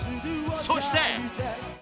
そして